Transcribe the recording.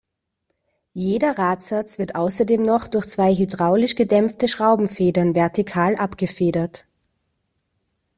Jeder Radsatz wird außerdem noch durch zwei hydraulisch gedämpfte Schraubenfedern vertikal abgefedert.